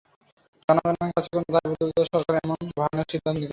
জনগণের কাছে কোনো দায়বদ্ধ সরকার এমন ভয়ানক সিদ্ধান্ত নিতে পারে না।